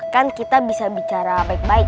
kan kita bisa bicara baik baik